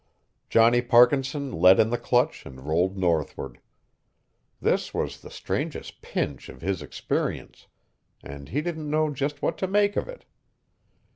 Johnny Parkinson let in the clutch and rolled northward. This was the strangest "pinch" of his experience and he didn't know just what to make of it.